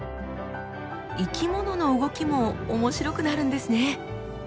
生き物の動きも面白くなるんですね！